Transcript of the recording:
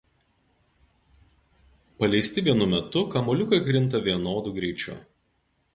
Paleisti vienu metu abu kamuoliukai krinta vienodu greičiu.